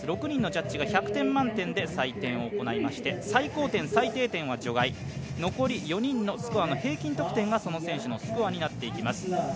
６人のジャッジが１００点満点で採点を行いまして最高点、最低点は除外残り４人のスコアの平均得点がその選手のスコアになっていきます。